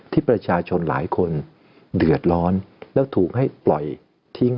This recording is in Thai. ที่ประชาชนหลายคนเดือดร้อนแล้วถูกให้ปล่อยทิ้ง